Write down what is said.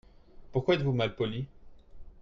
Pourquoi êtes-vous mal poli ?